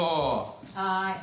はい。